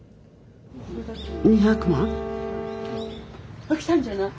２００万？あっ来たんじゃない？